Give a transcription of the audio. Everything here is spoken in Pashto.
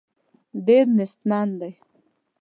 ډېر نېستمن دي.